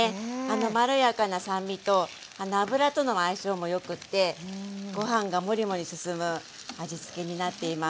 まろやかな酸味と油との相性もよくってご飯がモリモリすすむ味付けになっています。